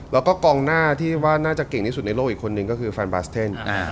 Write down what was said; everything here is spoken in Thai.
แล้วก็กองหน้าที่ว่าน่าจะเก่งที่สุดในโลกอีกคนนึงก็คือแฟนบาสเทน